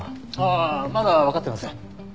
ああまだわかっていません。